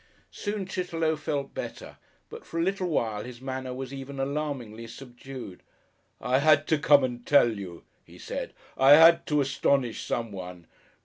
Soon Chitterlow felt better, but for a little while his manner was even alarmingly subdued. "I had to come and tell you," he said. "I had to astonish someone.